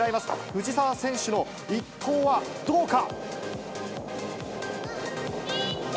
藤澤選手の一投はどうか。